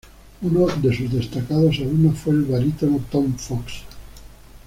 Uno de sus destacados alumnos fue el barítono Tom Fox.